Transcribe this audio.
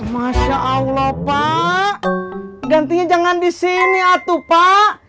masya allah pak gantinya jangan di sini atu pak